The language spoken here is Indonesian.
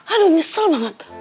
aduh nyesel banget